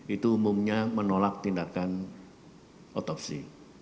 itu umumnya menolak tindakan otopsi